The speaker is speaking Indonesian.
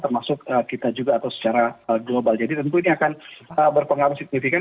termasuk kita juga atau secara global jadi tentu ini akan berpengaruh signifikan